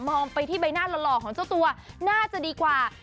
มองไปที่ใบหน้าหล่อของเจ้าตัวน่าจะดีกว่า